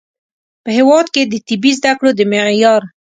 په هیواد کې د طبي زده کړو د معیار